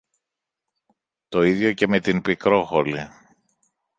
Το ίδιο και με την Πικρόχολη.